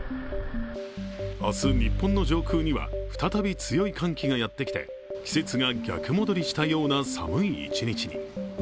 明日、日本の上空には再び強い寒気がやってきて季節が逆戻りしたような寒い一日に。